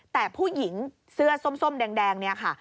แต่ผู้หญิงเสื้อส้มแดงเนี่ยค่ะ